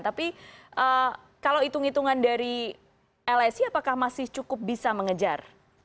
tapi kalau hitung hitungan dari lsi apakah masih cukup bisa mengejar